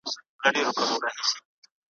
شمع هر څه ویني راز په زړه لري ,